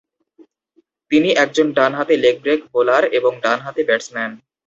তিনি একজন ডানহাতি লেগ ব্রেক বোলার এবং ডানহাতি ব্যাটসম্যান।